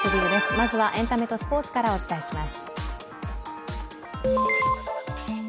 まずはエンタメとスポーツからお伝えします。